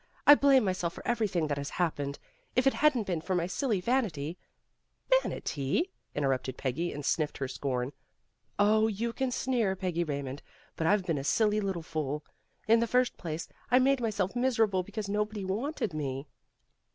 I blame myself for everything that has happened. If it hadn't been for my silly vanity " "Vanity" interrupted Peggy, and sniffed her scorn. "Oh, you can sneer, Peggy Raymond, but I've been a silly little fool. In the first place, I made myself miserable because nobody wanted me."